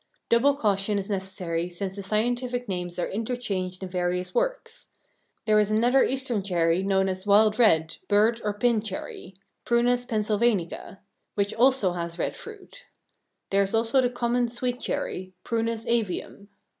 Double caution is necessary since the scientific names are interchanged in various works. There is another Eastern cherry known as wild red, bird or pin cherry (Prunus pennsylvanica), which also has red fruit. There is also the common sweet cherry (Prunus avium).